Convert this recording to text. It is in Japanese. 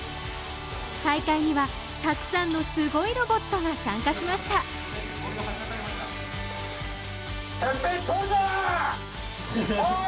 大会にはたくさんのすごいロボットが参加しましたてっぺんとるぞ！